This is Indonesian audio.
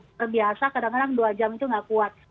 terbiasa kadang kadang dua jam itu nggak kuat